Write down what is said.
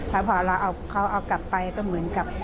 แต่พอเราเอากลับไปก็เหมือนกับ